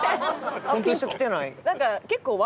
ピンときてない。